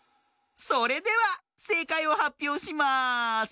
それではせいかいをはっぴょうします。